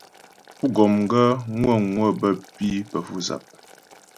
Pú gɔm gaə́ ŋwə̌ŋwə bə́ pǐ pə́ fu'sap.